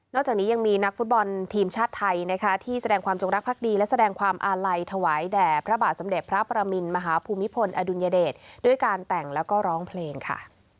จากนี้ยังมีนักฟุตบอลทีมชาติไทยนะคะที่แสดงความจงรักภักดีและแสดงความอาลัยถวายแด่พระบาทสมเด็จพระประมินมหาภูมิพลอดุลยเดชด้วยการแต่งแล้วก็ร้องเพลงค่ะ